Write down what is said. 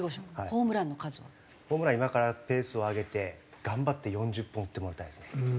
ホームラン今からペースを上げて頑張って４０本打ってもらいたいですね。